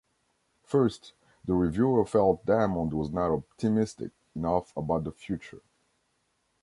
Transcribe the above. First, the reviewer felt Diamond was not optimistic enough about the future.